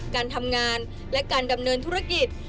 การทำงานและการดำเนินธุรกิจ